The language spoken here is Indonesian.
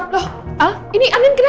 loh al ini anin kenapa